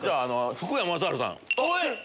福山雅治さん。